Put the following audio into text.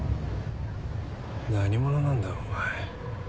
何者なんだお前。